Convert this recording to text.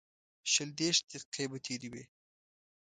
شل دېرش دقیقې به تېرې وې.